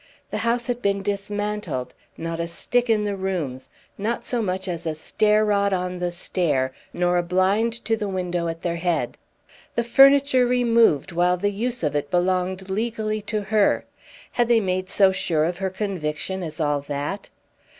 The house had been dismantled; not a stick in the rooms, not so much as a stair rod on the stairs, nor a blind to the window at their head. The furniture removed while the use of it belonged legally to her! Had they made so sure of her conviction as all that?